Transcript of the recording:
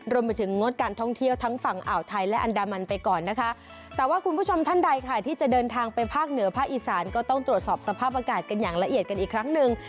รวมไปถึงงดการท่องเที่ยวทั้งฝั่งอ่าวไทยและอันดามันไปก่อนนะคะแต่ว่าคุณผู้ชมท่านใดค่ะที่จะเดินทางไปภาคเหนือภาคอีสานก็ต้องตรวจสอบสภาพอากาศกันอย่างละเอียดกันอีกครั้งหนึ่ง